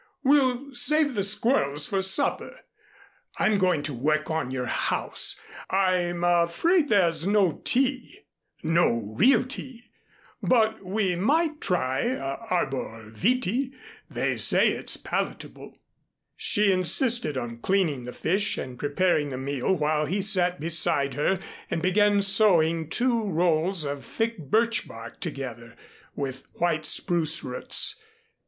We'll save the squirrels for supper. I'm going to work on your house. I'm afraid there's no tea no real tea, but we might try arbor vitæ. They say its palatable." She insisted on cleaning the fish and preparing the meal while he sat beside her and began sewing two rolls of thick birch bark together with white spruce roots.